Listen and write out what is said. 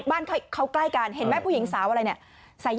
บ้านเขาใกล้กันเห็นไหมผู้หญิงสาวอะไรเนี่ย